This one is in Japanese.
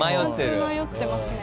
２つ迷ってますね。